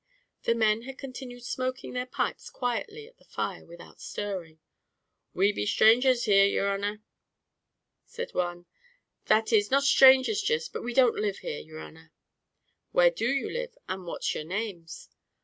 The men had continued smoking their pipes quietly at the fire without stirring. "We be sthrangers here, yer honer," said one; "that is, not sthrangers jist, but we don't live here, yer honer." "Where do you live, and what's your names?"